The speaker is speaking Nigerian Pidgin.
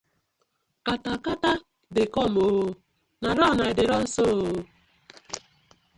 Katakata dey com ooo, na run I dey so ooo.